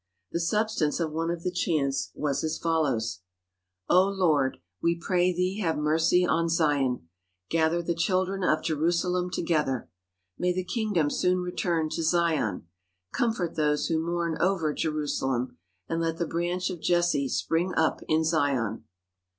The substance of one of the chants was as follows: O Lord, we pray thee have mercy on Zion, Gather the children of Jerusalem together! May the kingdom soon return to Zion! Comfort those who mourn over Jerusalem, And let the branch of Jesse spring up in Zion!